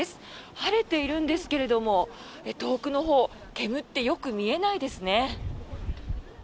晴れているんですけれども遠くのほう煙ってよく見えないですね。